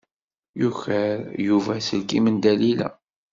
Yuker Yuba aselkim n Dalila.